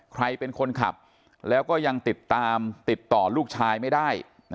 ใครเป็นคนขับแล้วก็ยังติดตามติดต่อลูกชายไม่ได้